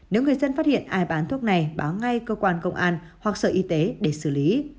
nếu người dân phát hiện ai bán thuốc này báo ngay cơ quan công an hoặc sở y tế để xử lý